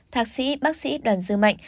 thạc sĩ bác sĩ đoàn dư mạnh